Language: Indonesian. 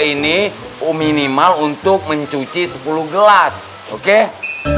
ini u minimal untuk mencuci sebuah dinding main semua ini pasangkan aja ya fundamentals